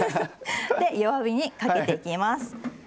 弱火にかけていきます。